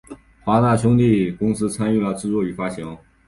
华纳兄弟公司参与制作与发行。